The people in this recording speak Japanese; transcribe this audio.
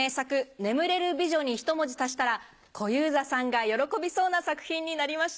『眠れる美女』にひと文字足したら小遊三さんが喜びそうな作品になりました。